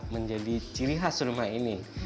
menjadi ciri khas rumah ini